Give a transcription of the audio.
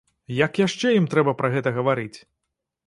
Як яшчэ ім трэба пра гэта гаварыць?!.